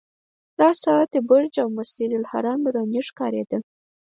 د ساعت برج او مسجدالحرام نوراني ښکارېده.